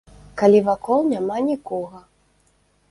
Калі вакол няма нікога.